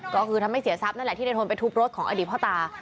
ก็คือทำให้เสียทรัพย์นั่นแหละที่ได้ทนไปทุบรถของอดีตพ่อตา